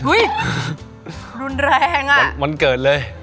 อุ๊ยรุนแรงอ่ะมันเกิดเลย